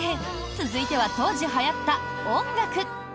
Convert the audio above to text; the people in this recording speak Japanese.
続いては当時、はやった音楽。